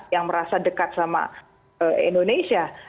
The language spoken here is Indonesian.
yang merasa dekat sama indonesia